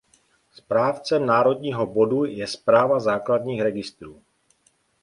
Správcem Národního bodu je Správa základních registrů.